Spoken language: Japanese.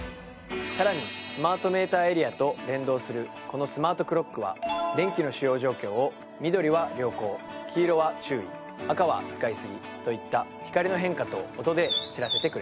さらにスマートメーターエリアと連動するこのスマートクロックは電気の使用状況を緑は良好黄色は注意赤は使いすぎといった光の変化と音で知らせてくれます。